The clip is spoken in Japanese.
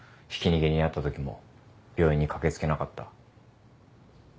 ひき逃げに遭ったときも病院に駆け付けなかった。